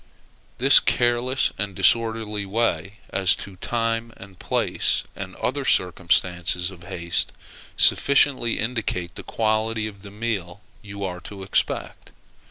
This careless and disorderly way as to time and place, and other circumstances of haste, sufficiently indicate the quality of the meal you are to expect.